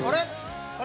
あれ？